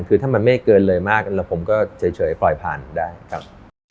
คือถ้ามันไม่เกินเลยมากแล้วผมก็เฉยปล่อยผ่านได้ครับ